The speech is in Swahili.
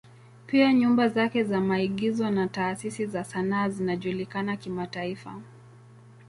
Pia nyumba zake za maigizo na taasisi za sanaa zinajulikana kimataifa.